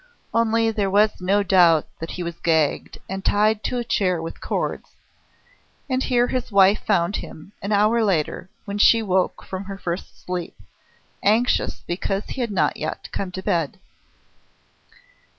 Only there was no doubt that he was gagged and tied to a chair with cords: and here his wife found him, an hour later, when she woke from her first sleep, anxious because he had not yet come to bed.